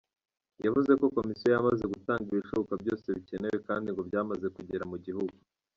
Yavuze ko Komisiyo yamaze gutanga ibishoboka byose bikenewe kandi ngo byamaze kugera mu gihugu.